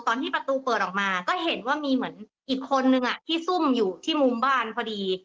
ตอนที่ประตูเปิดออกมาก็เห็นว่ามีเหมือนอีกคนนึงที่ซุ่มอยู่ที่มุมบ้านพอดี